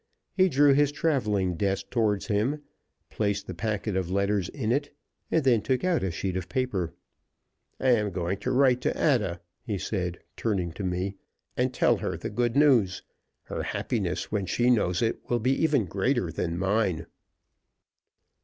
He drew his traveling desk toward him, placed the packet of letters in it, and then took out a sheet of paper. "I am going to write to Ada," he said, turning to me, "and tell her the good news. Her happiness, when she knows it, will be even greater than mine."